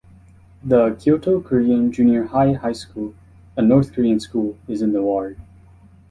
The Kyoto Korean Junior High-High School, a North Korean school, is in the ward.